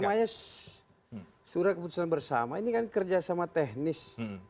namanya surat keputusan bersama ini kan kerjasama teknis